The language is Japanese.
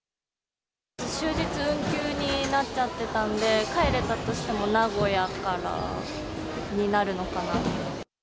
終日運休になっちゃってたんで、帰れたとしても名古屋からになるのかなと。